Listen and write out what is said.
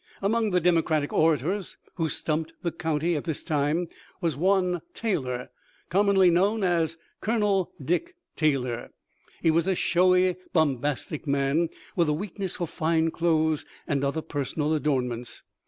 Among the Democratic orators who stumped the county at this time was one Taylor — commonly known as Col. Dick Taylor. He was a showy, bom bastic man, with a weakness for fine clothes and other personal adornments.